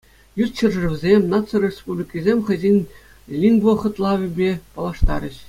Ют ҫӗршывсем, наци республикисем хӑйсен лингвохӑтлавӗпе паллаштарӗҫ.